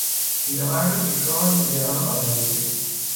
پیرمرد بیکار نگران آینده بود.